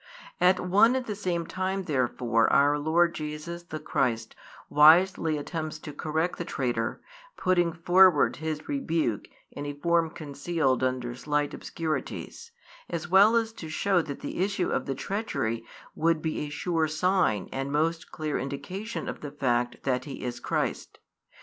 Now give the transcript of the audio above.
At one and the same time therefore our Lord Jesus the Christ wisely attempts to correct the traitor, putting forward His rebuke in a form concealed under slight obscurities, as well as to show that the issue of the treachery would be a sure sign and most clear indication of the fact that He is Christ.